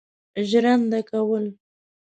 ژرنده کول.